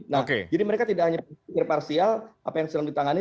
nah jadi mereka tidak hanya berpikir parsial apa yang sedang ditangani